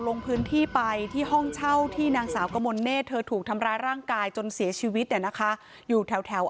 ลงพื้นที่ไปที่ห้องเช่าที่นางสาวกะมนเน่เธอถูกทำร้ายร่างกายจนเสียชีวิตอยู่แถวอรุณมาก